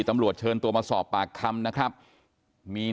นางนาคะนี่คือยายน้องจีน่าคุณยายถ้าแท้เลย